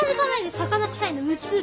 魚臭いのうつる！